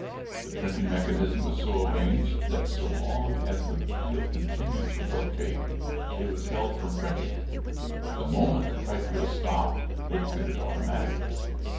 The printing mechanism was so arranged that so long as the wheel continued to rotate it was held from printing, but the moment the type wheel stopped it printed automatically.